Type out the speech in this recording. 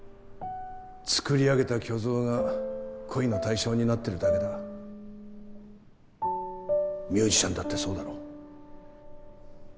作り上げた虚像が恋の対象になってるだけだミュージシャンだってそうだろ？